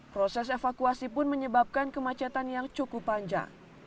proses evakuasi pun menyebabkan kemacetan yang cukup panjang